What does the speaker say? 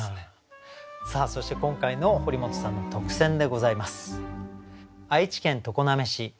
さあそして今回の堀本さんの特選でございます。